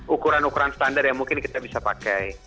ukuran ukuran standar yang mungkin kita bisa pakai